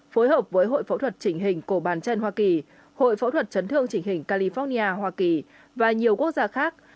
phối hợp với hội phẫu thuật chỉnh hình cổ bàn chân hoa kỳ hội phẫu thuật chấn thương chỉnh hình california hoa kỳ và nhiều quốc gia khác